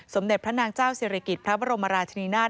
สมเด็จพระนางเจ้าศิริกิจพระบรมราชนีนาฏ